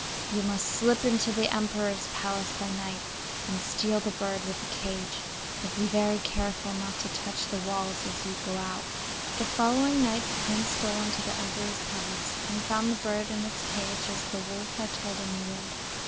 You must slip into the Emperor's palace by night and steal the bird with the cage; but be very careful not to touch the walls as you go out.' The following night the Prince stole into the Emperor's palace, and found the bird in its cage as the wolf had told him he would.